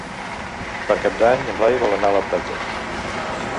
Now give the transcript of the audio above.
Per Cap d'Any en Blai vol anar a la platja.